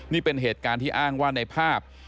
นี่เป็นเหตุการณ์ที่อ้างว่าในภาพ